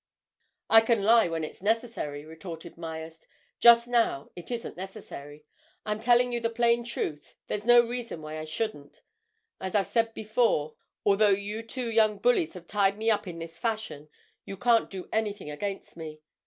"I can lie when it's necessary," retorted Myerst. "Just now it isn't necessary. I'm telling you the plain truth: there's no reason why I shouldn't. As I've said before, although you two young bullies have tied me up in this fashion, you can't do anything against me.